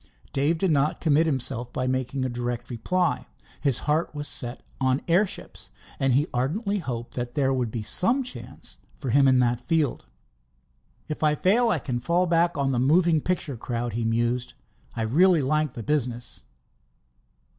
Dave did not commit himself by making a direct reply. His heart was set on airships, and he ardently hoped there would be some chance for him in that field. "If I fail, I can fall back on the moving picture crowd," he mused. "I really like the business."